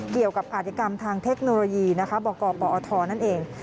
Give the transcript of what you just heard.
เกี่ยวกับอาทิกรรมทางเทคโนโลยีบกปอนั่นเอง